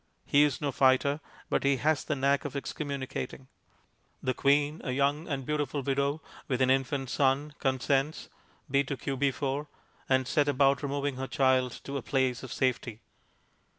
He is no fighter, but he has the knack of excommunicating. The queen, a young and beautiful widow, with an infant son, consents ("B to QB4"), and set about removing her child to a place of safety.